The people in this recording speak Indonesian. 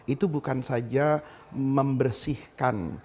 itu bukan saja membersihkan